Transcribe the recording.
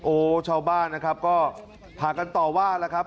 โอ้ชาวบ้านนะครับก็พากันต่อว่าแล้วครับ